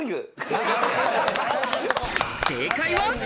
正解は。